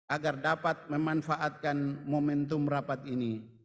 agar dapat memanfaatkan kinerja ini